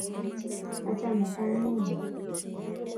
Achame kamennyu.